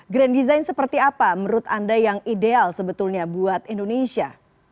grand design seperti apa menurut anda yang ideal sebetulnya buat indonesia